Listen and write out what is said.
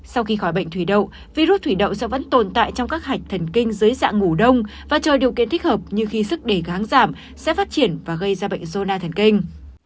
sau khi khỏi bệnh thủy đậu virus thủy đậu sẽ vẫn tồn tại trong các hạch thần kinh dưới dạng ngủ đông và trời điều kiện thích hợp như khi sức đề kháng giảm sẽ phát triển và gây ra bệnh zona thần kinh